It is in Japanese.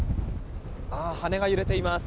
羽が揺れています。